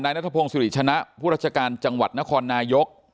นายนัดทะพงศ์สิหรีชนะผู้ราชการจังหวัดนครนายก